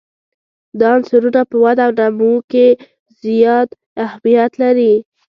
دا عنصرونه په وده او نمو کې زیات اهمیت لري.